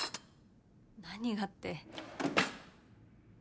何がって。